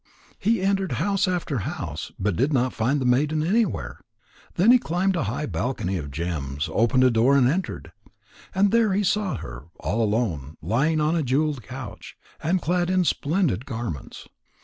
He entered house after house, but did not find the maiden anywhere. Then he climbed a high balcony built of gems, opened a door, and entered. And there he saw her all alone, lying on a jewelled couch, and clad in splendid garments.